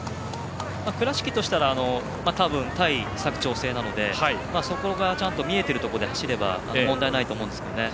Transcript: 倉敷としたら対佐久長聖なのでそこがちゃんと見えてるところで走れば問題ないと思いますね。